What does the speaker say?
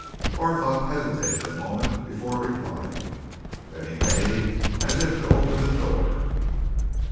Barthorpe hesitated a moment before replying. Then he made as if to open the door.